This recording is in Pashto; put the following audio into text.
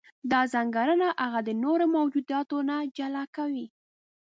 دا ځانګړنه هغه د نورو موجوداتو نه جلا کوي.